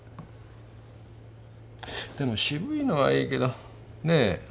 でも渋いのはいいけどねえ